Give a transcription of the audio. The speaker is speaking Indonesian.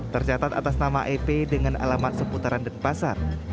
tercatat atas nama ep dengan alamat seputaran dan pasar